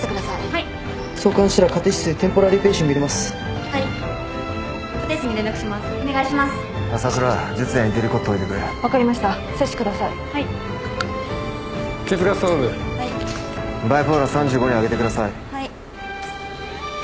はい。